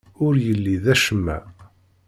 Ur yelli d acemma.